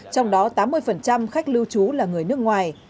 trong đó tám mươi khách lưu trú là người nước ngoài